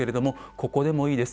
周りでもいいです。